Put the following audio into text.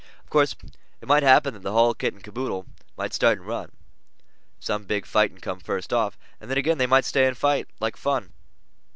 "Of course it might happen that the hull kit and boodle might start and run, if some big fighting came first off, and then again they might stay and fight like fun.